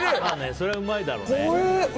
そりゃうまいだろうね。